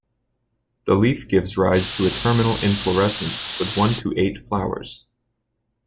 The leaf gives rise to a terminal inflorescence with one to eight flowers.